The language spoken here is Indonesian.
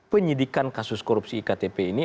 penyidikan kasus korupsi iktp ini